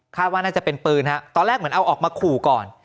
ว่าน่าจะเป็นปืนฮะตอนแรกเหมือนเอาออกมาขู่ก่อน